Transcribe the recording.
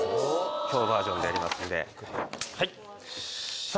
今日バージョンでやりますんではいさあ